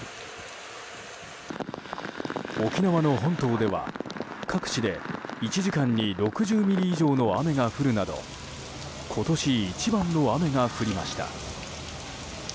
沖縄の本島では、各地で１時間に６０ミリ以上の雨が降るなど今年一番の雨が降りました。